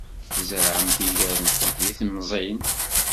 Tzerɛemt iger-nwent d timẓin.